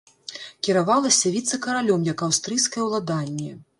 Кіравалася віцэ-каралём як аўстрыйскае ўладанне.